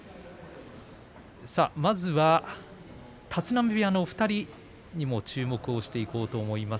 まずは立浪部屋の２人に注目をしていこうと思います。